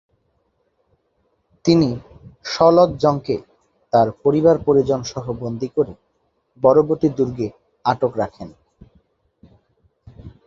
তিনি সওলত জংকে তার পরিবার পরিজনসহ বন্দি করে বড়বতি দুর্গে আটক রাখেন।